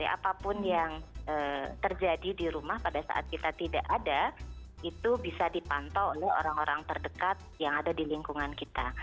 apapun yang terjadi di rumah pada saat kita tidak ada itu bisa dipantau oleh orang orang terdekat yang ada di lingkungan kita